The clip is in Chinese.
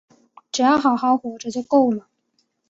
只要好好活着就够了